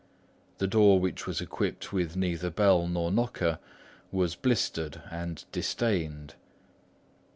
The door, which was equipped with neither bell nor knocker, was blistered and distained.